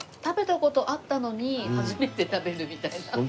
食べた事あったのに初めて食べるみたいな。